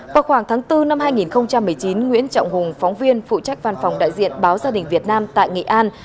vào khoảng tháng bốn năm hai nghìn một mươi chín nguyễn trọng hùng phóng viên phụ trách văn phòng đại diện báo gia đình việt nam tại nghệ an